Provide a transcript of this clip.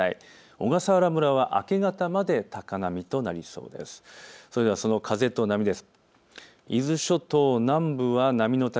小笠原村は明け方まで高波となりそうです。